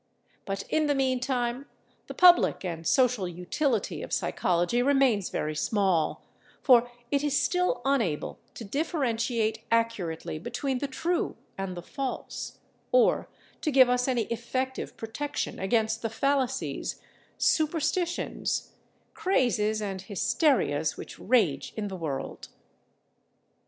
But in the meantime the public and social utility of psychology remains very small, for it is still unable to differentiate accurately between the true and the false, or to give us any effective protection against the fallacies, superstitions, crazes and hysterias which rage in the world.